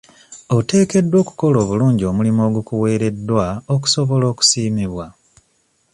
Oteekeddwa okukola obulungi omulimu ogukuweereddwa okusobola okusiimibwa.